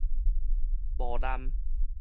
無濫